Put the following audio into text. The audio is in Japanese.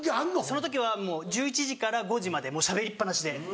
その時は１１時から５時までもうしゃべりっ放しで。